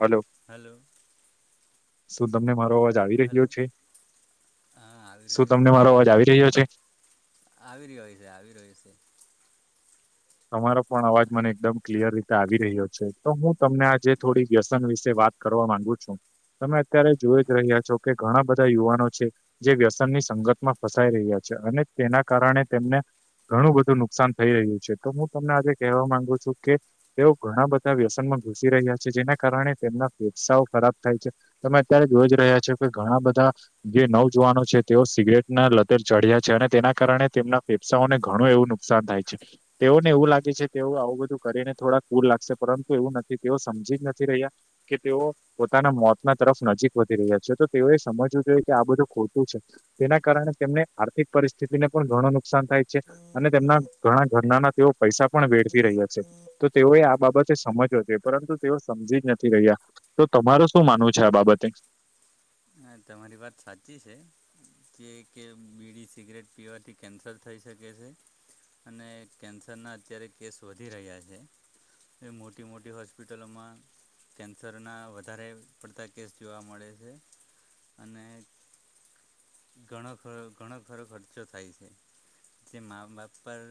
Hello hello શું તમને મારો અવાજ આવી હલો રહ્યો છે, હા આવી શું રહ્યો છે તમને મારો અવાજ આવી રહ્યો છે. આવી રહ્યો છે આવી રહ્યો છે. તમારો પણ અવાજ મને એકદમ ક્લિયર રીતે આવી રહ્યો છે તો હું તમને આજે થોડી વ્યસન વિશે વાત કરવા માગુ છુ, તમે અત્યારે જોઈ જ રહ્યા છો, કે ઘણા બધા યુવાનો છે. જે વ્યસનની સંગતમાં ફસાઈ રહ્યા છે અને તેના કારણે તેમને ઘણું બધું નુકસાન થઈ રહ્યું છે, તો હુ તમને આજે કહેવા માંગુ છુ, કે તેઓ ઘણા બધા વ્યસન માં ઘુસી રહ્યા છે જેના કારણે તેમના ફેફસાઓ ખરાબ થાય છે. તમે અત્યારે જોઈ જ રહ્યા છો કે ઘણા બધા જે નવ જુવાનો છે તેઓ સિગરેટ ના લતે ચઢ્યા છે અને તેના કારણે તેમના ફેફસાંઓને ઘણું એવું નુકસાન થાય છે. તેઓને એવું લાગે છે, તેઓ આવું બધું કરીને થોડાક કુલ લાગશે પરંતુ એવુ નથી તેઓ સમજી જ નથી રહ્યા કે તેઓ પોતાના મોતના તરફ નજીક વધી રહ્યા છે તો તેઓએ સમજવું જોઈએ કે આ બધું ખોટું છે. તેના કારણે તેમને આર્થિક પરિસ્થિતિને પણ ઘણું નુકસાન થાય છે, અને તેમના ઘણા ઘરનાના તેઓ પૈસા પણ વેળફી રહ્યા છે. તો તેઓએ આ બાબતે સમજ્યો છે પરંતુ તેઓ સમજી જ નથી રહ્યા તો તમારુ શું માનવુ છે, આ બાબતે હા તમારી વાત સાચી છે. જે કે બીડી, સિગરેટ પીવાથી કેન્સર થઈ શકે છે. અને કેન્સરના અત્યારે કેસ વધી રહ્યા છે. એ મોટી મોટી હોસ્પિટલોમા કેન્સરના વધારે પડતા કેસ જોવા મળે છે. અને ઘણો ખરો ઘણો ખરો ખર્ચો થાય છે. તે મા બાપ પર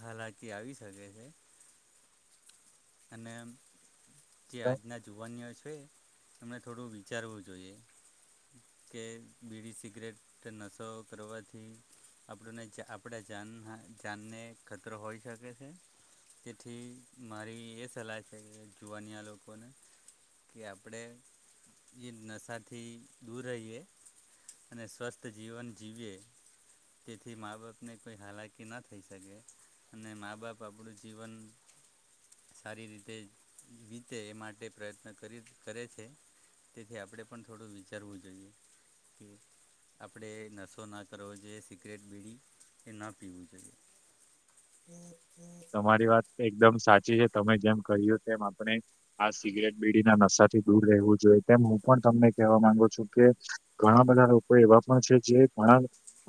હાલાકી આવી શકે છે. અને જે આજના જુવાનયાઓ છે. એમને થોડું વિચારવું જોઈએ કે બીડી સિગરેટ નશો કરવાથી આપણને આપણે જાનને ખતરો હોઈ શકે છે. તેથી મારી એ સલાહ છે, કે જુવાન્યા લોકોને કે આપણે જે નશાથી દૂર રહીએ અને સ્વસ્થ જીવન જીવીએ. તેથી મા બાપને કોઈ હાલાકી ન થઈ શકે અને મા બાપ આપણું જીવન સારી રીતે વીતે એ માટે પ્રયત્ન કરે છે. તેથી આપણે પણ થોડું વિચારવું જોઈએ કે આપણે નસો ના કરવો જોઈએ સિગરેટ બીડી એ ન પીવું જોઈએ. [inaudible] તમારી વાત એકદમ સાચી છે તમે જેમ કહ્યું તેમ આપણે હા સિગરેટ બીડી ના નશા થી દૂર રહેવું જોઈએ તેમ હું પણ તમને કહેવા માંગુ છુ, કે ઘણા બધા લોકો એવા પણ છેજે, ઘણા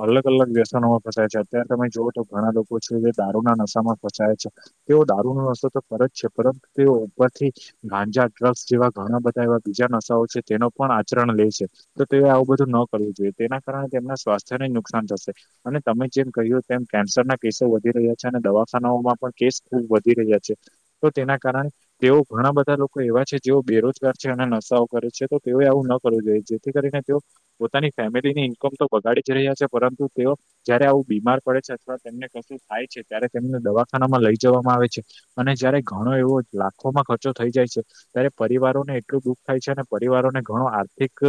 અલગ અલગ વ્યસનોમાં ફસાય છે અત્યારે તમે જોુઓ તો ઘણા લોકો છે જે દારૂના નશામાં ફસાય છે. તેઓ દારૂનોો રસ્તો તો ખર જ છે પરંતુ તેઓ ઉપરથી ગાંજા ડ્રગ્સ જેવા ઘણા બધા એવા બીજા નશાઓ છે, તેનો પણ આચરણ લે છે. તો તે આવું બધું ન કરવું જોઈએ તેના કારણે તેમના સ્વાસ્થ્યને નુકસાન થશે- અને તમે જેમ કહ્યું તેમ કેન્સરના કેસો વધી રહ્યા છે અને દવા ખાનાઓમાં પણ કેસ ખુબ વધી રહ્યા છે. તો તેના કારણે તેઓ ઘણા બધા લોકો એવા છે. જેઓ બેરોજગાર છે અને નશાઓ કરે છે તો તેઓ આવું ન કરવુ જોઈએ. જેથી કરીને તેઓ પોતાની ફેમિલીની ઈન્કમ તો બગાડી જ રહ્યા છે પરંતુ તેઓ જયારે આવું બીમાર પડે છે, અથવા તેમને કશું થાય છે ત્યારે તેમને દવાખાનામાં લઈ જવામાં આવે છે. અને જયારે ઘણો એવો લાખોમાં ખર્ચો થઈ જાય છે. ત્યારે પરિવારોને એટલું દુઃખ થાય છે અને પરિવારોને ઘણો આર્થિક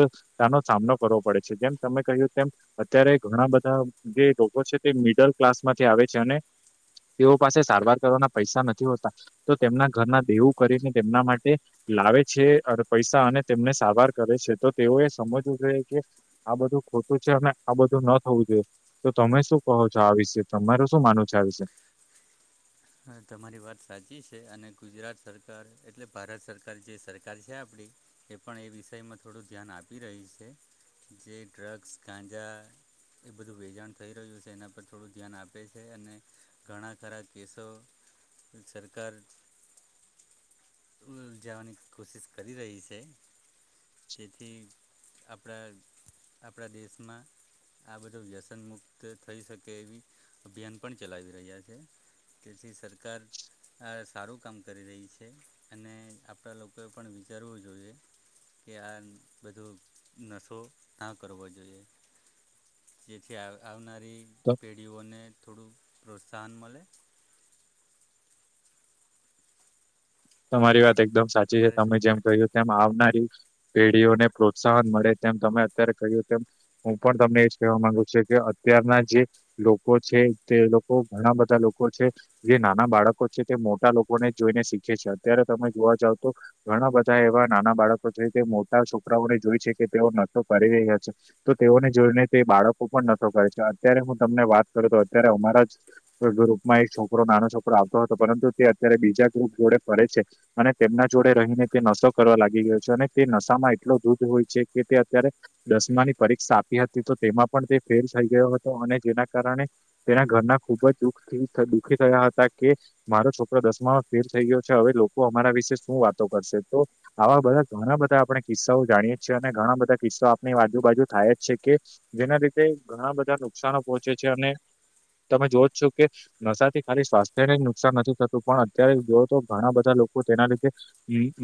તાનો સામનો કરવો પડે છે. જેમ તમે કહ્યું તેમ અત્યારે ઘણા બધા જે લોકો છે તે મિડલ ક્લાસમાંથી આવે છે. અને તેઓ પાસે સારવાર કરવાના પૈસા નથી હોતા. તો તેમના ઘરના દેવું કરીને તેમના માટે લાવે છે પૈસા અને તેમને સારવાર કરે છે. તો તેઓ એ સમજવું જોએ કે આ બધું ખોટું છે અને આ બધું ન થવું જોઈએ. તો તમે શું કહો છો આ વિશે? તમારુ શું માનવુ છો આ વિશે? હા તમારી વાત સાચી છે. અને ગુજરાત સરકાર એટલે ભારત સરકાર જે સરકાર છે આપડી એ પણ એ વિષયમાં થોડું ધ્યાન આપી રહી છે. જે ડ્રગ્સ, ગાંજા એ બધું વેચાણ થઈ રહ્યું છે એના પર થોડું ધ્યાન આપે છે. અને ઘણા ખરા કેસો સરકાર જવાની કોશિશ કરી રહી છે. જેથી આપણા આપણા દેશમાં આ બધું વ્યસન મુક્ત થઈ શકે એવી અભિયાન પણ ચલાવી રહ્યા છે. તેથી સરકાર આ સારું કામ કરી રહી છે. અને આપણા લોકોએ પણ વિચારવું જોઈએ. કે આ બધું નશો ના કરવો જોઈએ. જેથી આવનારી પેઢીઓને થોડું પ્રોત્સાહન મળે. એવું તમારી છે વાત એકદમ સાચી છે. તમારે તમે શું જેમ કહ્યું તેમ આવનારી પેઢીઓને પ્રોત્સાહન મળે, તેમ તમે અત્યારે કહ્યું તેમ હું પણ તમને એજ કહેવા માંગુ છું કે અત્યારના જે લોકો છે તે લોકો ઘણા બધા લોકો છે. જે નાના બાળકો છે તે મોટા લોકોને જ જોઈને શીખે છે. અત્યારે તમે જોવા જાવ તો ઘણા બધા એવા નાના બાળકો છે તે મોટા છોકરાઓને જોય છે કે તેઓ નટો કરી રહ્યા છે. તો તેઓને જોઈને તે બાળકો પણ નતો કરે છે. અત્યારે હું તમને વાત કરું તો અત્યારે અમારા જ ગ્રુપમાં એક છોકરો નાનો છોકરો આવતો હતો. પરંતુ તે અત્યારે બીજા ગ્રુપ જોડે ફરે છે. અને તેમના જોડે રહીને તે નશો કરવા લાગી ગયો છે. અને તે નશામાં એટલો ધૂત હોય છે કે તે અત્યારે દસમાની પરીક્ષા આપી હતી તો તેમાં પણ તે ફેલ થઈ ગયો હતો. અને જેના કારણે તેના ઘરના ખુબ જ દુઃખ દુઃખી થયા હતા કે મારો છોકરો દસમામાં ફેલ થઈ ગયો. હવે લોકો અમારા વિશે શું વાતો કરશે તો આવા બધા ઘણા બધા આપણે કિસ્સાઓ જાણીએ છીએ અને ઘણા બધા કિસ્સાઓ આપણી આજુબાજુ થાય જ છે કે જેના લીધે ઘણા બધા નુકશાન પોહોંચે છે અને તમે જોવો જ છો કે નશાથી ખાલી સ્વાસ્થ્યને જ નુકસાન નથી થતું પણ અત્યારે જો તો ઘણા બધા લોકો તેના લીધે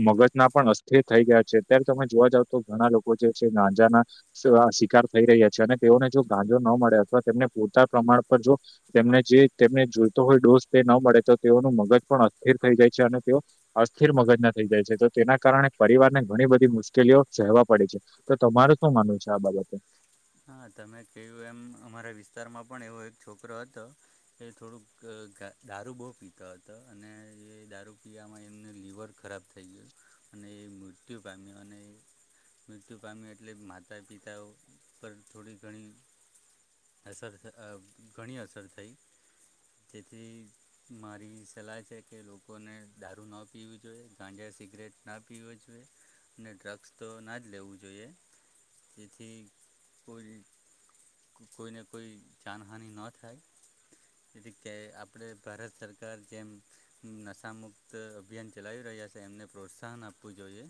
મગજના પણ અસ્થિર થઈ ગયા છે. અત્યારે તમે જોવા જાવ તો ઘણા લોકો જે છે ગાંજાના શિકાર થઈ રહ્યા છે અને તેઓને જો ગાંજો ન મળે અથવા તેમને પૂરતા પ્રમાણ પર જો તેમને જે તેમને જોઈતો હોય ડોષ તે ન મળે તો તેઓનું મગજ પણ અસ્થિર થઈ જાય છે અને તેઓ અસ્થિર મગજના થઈ જાય છે. તો તેના કારણે પરિવારને ઘણી બધી મુશ્કેલીઓ સહેવા પડે છે. તો તમારે શું માનવું છે આ બાબતે? હા તમે કહ્યું એમ અમારા વિસ્તારમાં પણ એવો એક છોકરો હતો. એ થોડુંક દારૂ બહુ પીતા હતો અને એ દારૂ પીવામાં એમને લીવર ખરાબ થઈ ગયું અને એ મૃત્યુ પામ્યો અને મૃત્યુ પામ્યો એટલે માતા પિતાઓ પર થોડી ઘણી અસર અ ઘણી અસર થઈ. તેથી મારી સલાહ છે કે લોકોને દારૂ ના પીવું જોઈએ ગાંજિયા સિગરેટ ના પીવું જોઈએ. અને ડ્રગ્સ તો ના જ લેવું જોઈએ જેથી કોઈ કોઈને કોઈ જાનહાની ન થાય તેથી કે આપણે ભારત સરકાર જેમ નશામુક્ત અભિયાન ચલાવી રહ્યા છે એમને પ્રોત્સાહન આપવું જોઈએ.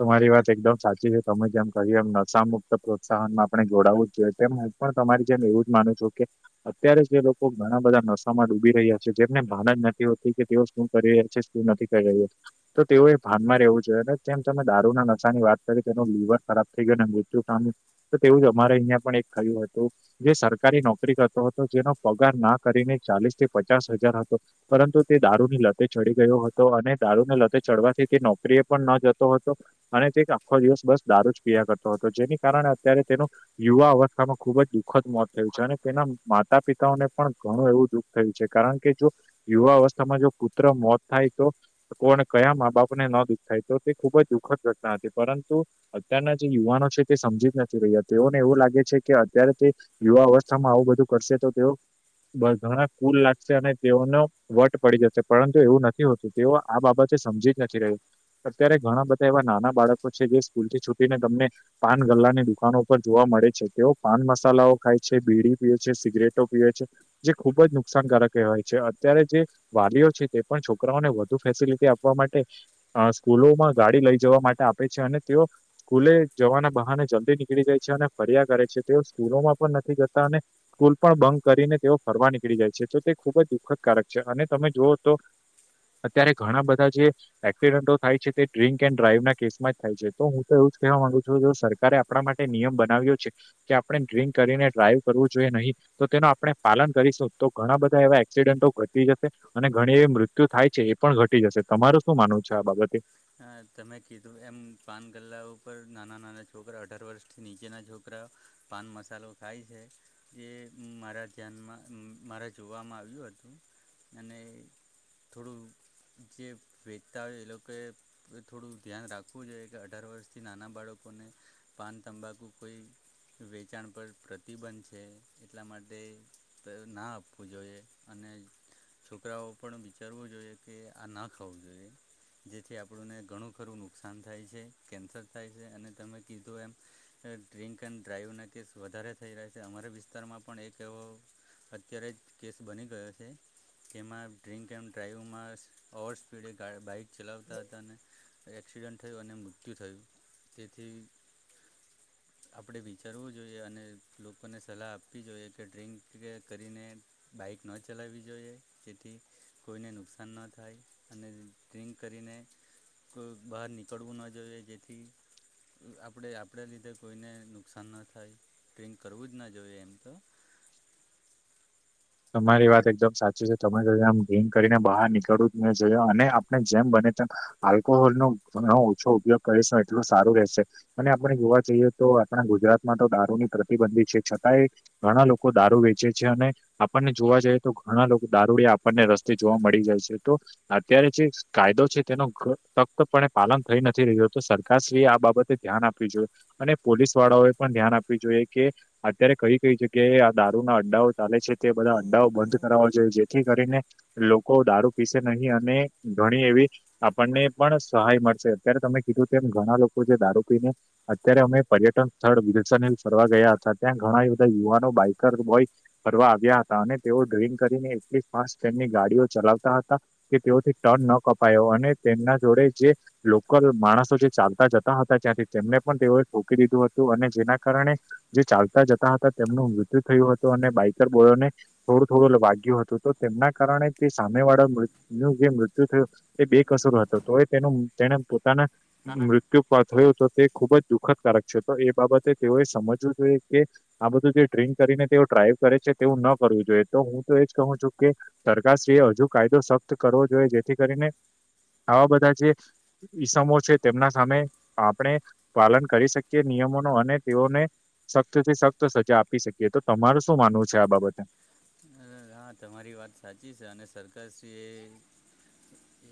તમારી વાત એકદમ સાચી છે તમે જેમ કહ્યું એમ નશા મુક્ત પ્રોત્સાહન માં આપણે જોડાવું જ જોઈએ તેમ પણ તમારી જેમ એવું જ માનું છું કે અત્યારે જે લોકો ઘણા બધા નશામાં ડૂબી રહ્યા છે જેમને ભાન જ નથી હોતી કે તેઓ શું? કરી રહ્યા છે શું નથી કરી રહ્યો તો તેઓ એ ભાનમાં રહેવું જોઈએ ને તેમ તમે દારૂ ના નશાની વાત કરી તેનું લીવર ખરાબ થઈ ગય અને મૃત્યુ પામ તો તેવું જ અમારે અહિયાં પણ એક થયું હતું. જે સરકારી નોકરી કરતો હતો જેનો પગાર ના કરીને ચાલીસ થી પચાસ હજાર હતો. પરંતુ તે દારૂની લતે ચડી ગયો હતો અને દારૂને લતે ચડવાથી તે નોકરીએ પણ ન જતો હતો અને તે આખો દિવસ બસ દારૂ જ પિયા કરતો હતો જેની કારણે અત્યારે તેનો યુવા અવસ્થામાં ખુબ જ દુઃખદ મોત થયું છે અને તેના માતા પિતાને પણ ઘણું એવું દુખ થયું છે કારણ કે જો યુવા અવસ્થામાં જો પુત્ર મોત થાય તો કોણ કયા મા બાપને ન દુઃખાય તો તે ખુબ જ દુઃખદ ઘટના હતી પરંતુ, અત્યારના જે યુવાનો છે તે સમજી જ નથી રહ્યા તેઓને એવું લાગે છે કે અત્યારે તે યુવા અવસ્થામાં આવું બધું કરશે તો તેઓ ઘણા કુલ લાગશે અને તેઓનો વટ પડી જશે પરંતુ એવું નથી હોતું તેઓ આ બાબતે સમજી જ નથી રહ્યું. અત્યારે ઘણા બધા એવા નાના બાળકો છે જે સ્કૂલ થી છૂટીને તમને પાન ગલ્લાની દુકાનો પર જોવા મળે છે તેઓ પાન મસાલાઓ ખાય છે, બીડી પીવે છે, સિગરેટો પીવે છે. જે ખુબ જ નુકસાનકારક કેવાય છે અત્યારે જે વાલીઓ છે તે પણ છોકરાઓને વધુ ફેસિલિટી આપવા માટે અ સ્કૂલોમાં ગાડી લઈ જવા માટે આપે છે અને તેઓ સ્કૂલે જવાના બહાને જલ્દી નીકળી જાય છે અને ફરિયા કરે છે તેઓ સ્કૂલોમાં પણ નથી જતા અને સ્કૂલ પણ બંક કરીને તેઓ ફરવા નીકળી જાય છે તો તે ખુબ જ દુઃખદકારક છે અને તમે જુઓ તો અત્યારે ઘણા બધા જે એક્સિડન્ટો થાય છે તે ડ્રિંક એન્ડ ડ્રાઈવ ના કેસમાં જ થાય છે તો હું તો એવું જ કહેવા માંગુ છું જો સરકારે આપણા માટે નિયમ બનાવ્યો છે. કે આપણે ડ્ર્રીંક કરીને ડ્રાઈવ કરવું જોઈએ નહીં. તો તેનું આપણે પાલન કરીશું તો ઘણા બધા એવા એક્સિડન્ટો ઘટી જશે અને ઘણી એવી મૃત્યુ થાય છે એ પણ ઘટી જશે તમારે શું માનવું છે? આ બાબત હા તમે કીધું એમ પાન ગલ્લા ઉપર નાના નાના છોકરા અઢાર વર્ષથી નીચેના છોકરા પાન મસાલો ખાય છે. એ મારા ધ્યાનમાં મારા જોવામાં આવ્યું હતું અને થોડું જે વેચતા હોય એ લોકોએ એ થોડું ધ્યાન રાખવું જોઈએ કે અઢાર વર્ષથી નાના બાળકોને પાન તંબાકુ કોઈ વેચાણ પર પ્રતિબંધ છે એટલા માટે તો એ ના આપવું જોઈએ અને છોકરાઓ પણ વિચારવું જોઈએ કે આ ના ખાવું જોઈએ જેથી આપ આપણુંને ઘણું ખરું નુકસાન થાય છે કેન્સર થાય છે અને તમે કીધું એમ ડ્રિંક એન્ડ ડ્રાઈવના કેસ વધારે થઈ રહ્યા છે અમારા વિસ્તારમાં પણ એક એવો અત્યારે જ કેસ બની ગયો છે. તેમાં ડ્રિંક એન્ડ ડ્રાઈવ માં ઓવર સ્પીડે બાઈક ચલાવ તા હતા અને એક્સિડન્ટ થયું અને મૃત્યુ થયું તેથી [inaudible] આપણે વિચારવું જોઈએ અને લોકોને સલાહ આપવી જોઈએ કે ડ્રિંક કે કરીને બાઈક ન ચલાવવી જોઈએ જેથી કોઈને નુકસાન ન થાય અને ડ્રિંક કરીને કોઈ બહાર નીકળવું ન જોઈએ જેથી આપણે આપણે લીધે કોઈને નુકસાન ન થાય ડ્રીંક કરવું જ ના જોઈએ એમ તો તમારી વાત એકદમ સાચી છે તમે જો આમ ગેમ કરીને બહાર નીકળવું ત મે જો અને આપણે જેમ બને તેમ આલ્કોહોલ નો તમે ઓછો ઉપયોગ કરીશ એટલુ સારું રહેશે. અને આપણે જોવા જઈએ તો આપણા ગુજરાતમાં તો દારૂની પ્રતિબંધિત છે, છતાંય ઘણા લોકો દારૂ વેચે છે, અને આપણને જોવા જઈએ તો ઘણા લોકો દારૂડિયા આપણને રસ્તે જોવા મળી જાય છે તો અત્યારે જે કાયદો છે, તેનું તખ્તપણે પાલન થઈ નથી રહ્યું તો સરકારશ્રીએ આ બાબતે ધ્યાન આપવી જોઈએ અને પોલીસ વાળાઓ એ પણ ધ્યાન આપવી જોઈએ કે અત્યારે કઈ કઈ છે કે આ દારૂ ના અંડાઓ ચાલે છે તે બધા અડાઓ બંધ કરો જોઈએ જેથી કરીને લોકો દારૂ પીસે નહીં અને ઘણી એવી આપણને પણ સહાય મળશે અત્યારે તમે કીધું તેમ ઘણા લોકો જે દારૂ પીને અત્યારે અમે પર્યટન સ્થળ વિલસાનલ [unintelligible] ફરવા ગયા હતા ત્યાં ઘણા બધા યુવાનો બાઈકર બોય. ફરવા આવ્યા હતા અને તેઓ ડ્ર્રીંગ કરીને એટલી ફાસ્ટ તેમની ગાડીઓ ચલાવતા હતા. કે તેઓથી ટર્ન ન કપાયો અને તેમના જોડે જે લોકલ માણસો જે ચાલતા જતા હતા ત્યાંથી તેમને પણ તેઓએ ફોકી દીધું હતું અને જેના કારણે જે ચાલતા જતા હતા તેમનું મૃત્યુ થયું હતું અને બાઈકર બોયોને થોડું થોડું વાગ્યું હતું તો તેમના કારણે તે સામે વાળા નું જે મૃત્યુ થયુ. એ બે કસૂરો હતો તો એ તેનું તેને પોતાના મૃત્ય થયો તો તે ખૂબ જ દુઃખદકારક છે, તો એ બાબતે તેઓએ સમજવું જોઈએ કે આ બધું જે ડ્રીક કરીને તેઓ ડ્રાઈવ કરે છે તેવુ ન કરવું જોઈએ તો હુતો એજ કહુ છુ, કે સરરકારશ્રીએ હજુ કાયદો સખ્ત કરવો જોઈએ જેથી કરીને આવા બધા જે ઈસમો છે તેમના સામે આપણે પાલન કરી શકીએ નિયમો નું અને તેઓને સખ્ત થી સખત સજા આપી શકીએ તો તમાર શું માનવું છે, આ બાબતે હા તમારી વાત સાચી છે અને સરકારશ્રી એ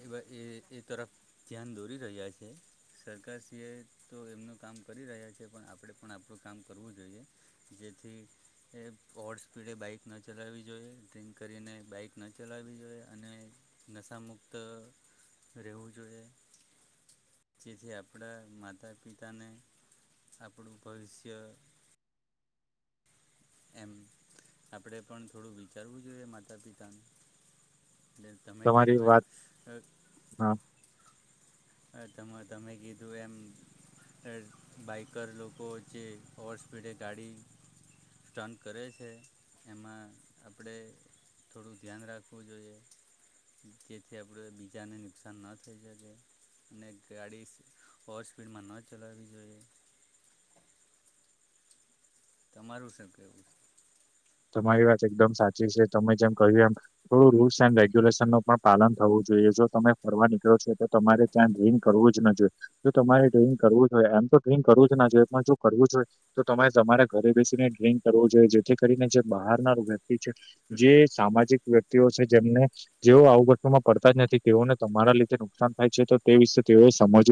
એવા એ એ તરફ ધ્યાન દોરી રહ્યા છે. સરકારશ્રી એ તો એમનું કામ કરી રહ્યા છે, પણ આપણે પણ આપણુ કામ કરવુ જોઈએ. જેથી એ ઓવર સ્પીડે બાઈક ન ચલાવવી જોઈએ. ગ કરીને બાઈક ન ચલાવી જોઈએ અને નશાામુક્ત રેવુ જોઈએ. જેથી આપણા માતા પિતાને આપણું ભવિષ્ય એમ આપણે પણ થોડુ વિચારવું જોઈએ માતા પિતાનુ એટલે તમે તમારી કીધું એમ વાત હા હા તમે તમે કીધું એમ બાઇકર લોકો જે ઓવર સ્પીડે ગાડી સ્ટન કરે છે, એમા આપણે થોડું ધ્યાન રાખવ જોઈએ. જેથી આપણે બીજાને નુકસાન ન થઈ શકે અને ગાડી ઓવર સ્પીડમાં ન ચલાવી જોઈએ. તમારુ શું કહેવુ છે. તમારી વાત એકદમ સાચી છે તમે જેમ કહ્યું એમ થોડું રૂલ્સ એન્ડ રેગ્યુલેશનનું પણ પાલન થવું જોઈએ જો તમે ફરવા નીકળો છો, તો તમારે ક ડ્રેન કરવું જ ના જોઈએ જો તમારે ડ્રેન કરવું જો હોએ એમ તો ડ્રીન કરવું જ ના જોઈએ, પણ જો કરવું જ જોઈ. તો તમારે તમારે ઘરે બેસીને ડ્રોઈંગ કરવુ જોઈએ જેથી કરીને જે બહારનાર વ્યક્તિ છે. જે સામાજિક વ્યક્તિઓ છે, જેમને જેઓ આવું ઘટનામાં પડતા જ નથી તેઓને તમારા લીધે નુકસાન થાય છે. તો તે વિશે તેઓએ સમજવું